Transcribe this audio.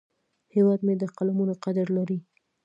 هیواد مې د قلمونو قدر لري